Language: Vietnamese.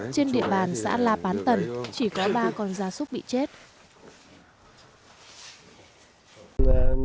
trên địa bàn xã lạp bán tần chỉ có ba con gia súc bị chết